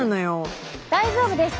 大丈夫です。